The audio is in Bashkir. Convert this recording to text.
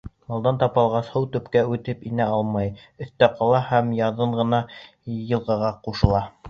Малдан тапалғас, һыу төпкә үтеп инә алмай, өҫтә ҡала һәм яҙын ғына йылғаға ҡушыла.